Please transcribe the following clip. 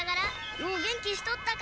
「よお元気しとったか」